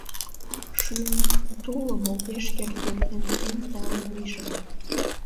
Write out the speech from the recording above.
Шӱм тулым огеш керт йӧртен Эн тале вийжат.